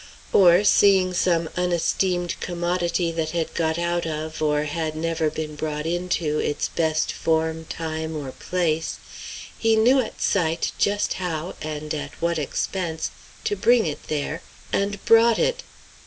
Or, seeing some unesteemed commodity that had got out of, or had never been brought into, its best form, time, or place, he knew at sight just how, and at what expense, to bring it there, and brought it.